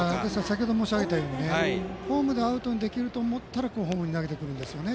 先程申し上げたようにホームでアウトにできると思ったらホームに投げてくるんですね。